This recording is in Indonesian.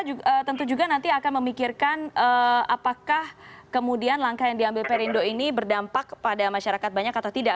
kita tentu juga nanti akan memikirkan apakah kemudian langkah yang diambil perindo ini berdampak pada masyarakat banyak atau tidak